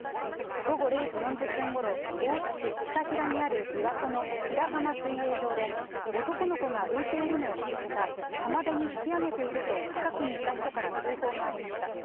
午後０時４０分ごろ、大津市きたひらにある琵琶湖のひらはま水泳場で、男の子が浮いているのを見つけた、浜辺に引き上げていると、近くにいた人から通報がありました。